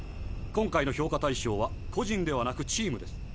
今回の評価対象は個人ではなくチームです。